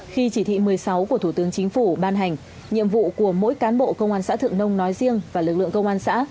khi chỉ thị một mươi sáu của thủ tướng chính phủ ban hành nhiệm vụ của mỗi cán bộ công an xã thượng nông nói riêng và lực lượng công an xã